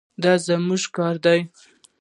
دا زموږ ګور دی